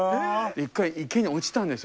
一回池に落ちたんですよ